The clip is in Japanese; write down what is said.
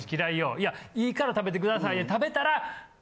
「いやいいから食べてください」で食べたら。